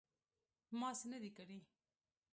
_ما څه نه دي کړي.